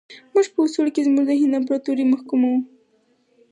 موږ په اصولو کې زموږ د هند امپراطوري محکوموو.